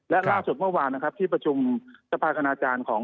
และล่าสุดเมื่อวานที่ประชุมทรัพย์คณาจารย์ของ